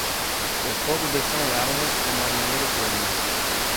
O fogo de São Elmo, o marinheiro teme.